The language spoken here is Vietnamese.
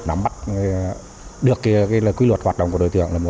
nắm bắt được quy luật hoạt động của đối tượng